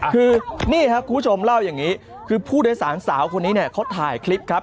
คือนี่ครับคุณผู้ชมเล่าอย่างนี้คือผู้โดยสารสาวคนนี้เนี่ยเขาถ่ายคลิปครับ